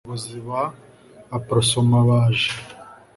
muri perefegitura ya Butare Abayobozi ba Aprosoma baje